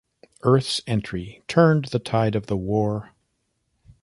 Earth's entry turned the tide of the war.